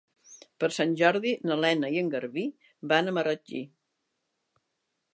Per Sant Jordi na Lena i en Garbí van a Marratxí.